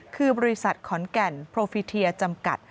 คือบริษัทขอนแก่นโพฟิเทียจำกัด